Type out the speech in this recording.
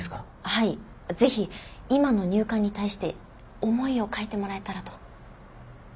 はい是非今の入管に対して思いを書いてもらえたらと。